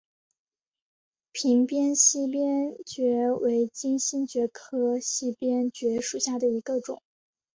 屏边溪边蕨为金星蕨科溪边蕨属下的一个种。